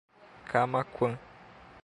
Camaquã